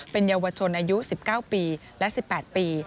เป็นเยาวชนอายุ๑๙ปีและ๑๘ปี